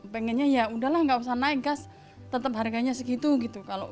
pengennya yaudahlah enggak usah naik gas tetap harganya segitu gitu